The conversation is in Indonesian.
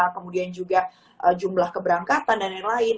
kemudian juga jumlah keberangkatan dan lain lain